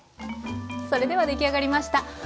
それでは出来上がりました。